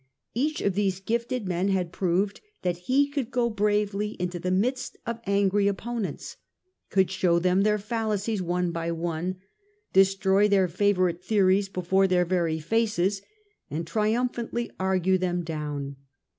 Each of these gifted men had proved that he could go bravely into the midst of angry opponents, could show them their fal lacies one by one, destroy their favourite theories before their very faces, and triumphantly argue them down.